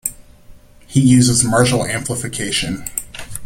He uses Marshall Amplification.